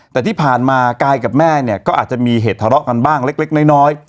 แต่ที่ผ่านมากายกับแม่เนี่ยก็อาจจะมีเหตุทะเลาะกันบ้างเล็กน้อย